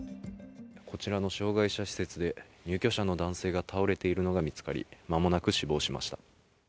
こちらの障害者施設で入居者の男性が倒れているのが見つかり、間もなく死亡しました。